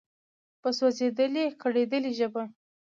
په سوزیدلي، کړیدلي ژبه